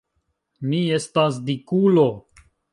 Mi estas dikulo!